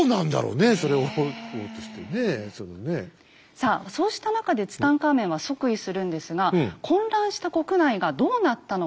さあそうした中でツタンカーメンは即位するんですが混乱した国内がどうなったのか。